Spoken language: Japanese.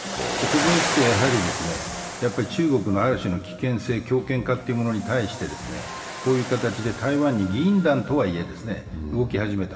ここへきて中国のある種の危険性、強権化というものに対してこういう形で台湾に議員団とはいえ動き始めた。